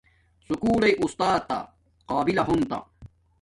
سکُول لݵ آستاتا قابلہ ہونتا